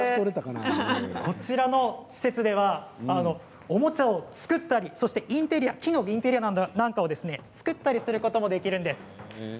こちらの施設ではおもちゃを作ったりそして木のインテリアなんかを作ったりすることもできるんです。